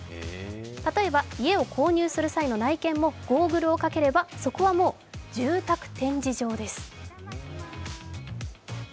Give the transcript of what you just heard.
例えば家を購入する際の内見もゴーグルをかければそこはもう住宅展示場です。